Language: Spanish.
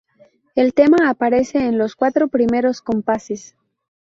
El tema aparece en los cuatro primeros compases.